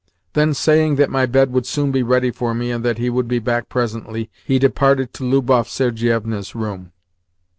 Then, saying that my bed would soon be ready for me and that he would be back presently, he departed to Lubov Sergievna's room.